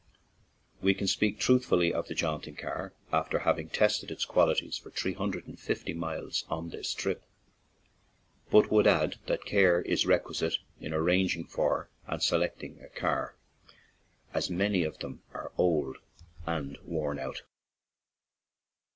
We can speak truthfully of the jaunt ing car, after having tested its qualities for three hundred and fifty miles on this trip; but would add that care is requisite in arranging for and selecting a car, as many of them are old and worn out.